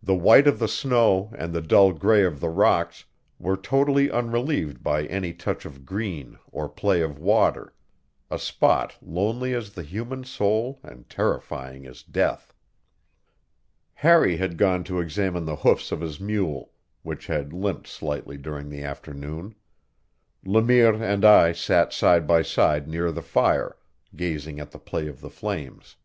The white of the snow and the dull gray of the rocks were totally unrelieved by any touch of green or play of water; a spot lonely as the human soul and terrifying as death. Harry had gone to examine the hoofs of his mule, which had limped slightly during the afternoon; Le Mire and I sat side by side near the fire, gazing at the play of the flames.